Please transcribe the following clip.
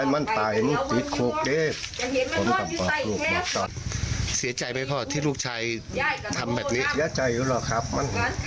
มันเกะไปอยู่เมียบ่ะ